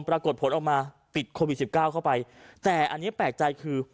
ปรากฏผลออกมาติดโควิดสิบเก้าเข้าไปแต่อันนี้แปลกใจคือ